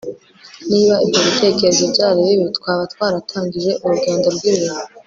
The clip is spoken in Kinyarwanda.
niba ibyo bitekerezo byari bibi, twaba twaratangije urugendo rw'ibintu